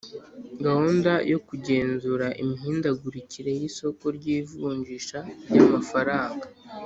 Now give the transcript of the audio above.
gahunda yo kugenzura imihindagurikire y'isoko ry'ivunjisha ry'amafaranga.